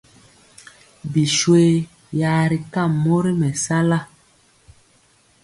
Biswe ya ri kam mori mɛsala.